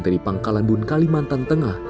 dari pangkalanbun kalimantan tengah